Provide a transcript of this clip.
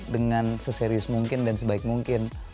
dengan seserius mungkin dan sebaik mungkin